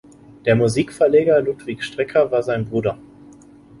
Der Musikverleger Ludwig Strecker war sein Bruder.